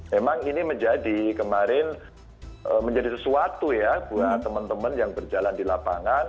memang ini menjadi kemarin menjadi sesuatu ya buat teman teman yang berjalan di lapangan